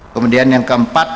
kemudian yang keempat